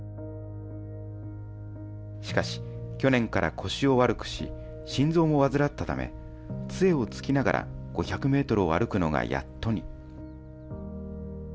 しかし、去年から腰を悪くし、心臓も患ったため、つえをつきながら５００メートルを歩くのがやっとに。